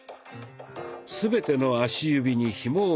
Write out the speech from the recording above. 全ての足指にひもを巻きます。